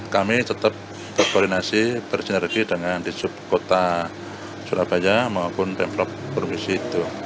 kami tetap berkoordinasi bergenerasi dengan di subkota surabaya maupun tempat promosi itu